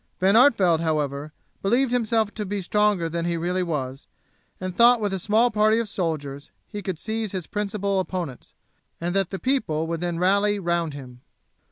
Van Artevelde, however, believed himself to be stronger than he really was, and thought with a small party of soldiers he could seize his principal opponents, and that the people would then rally round him.